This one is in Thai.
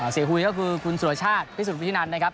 เสียหุยก็คือคุณสุรชาติพิสูจน์ที่นั่นนะครับ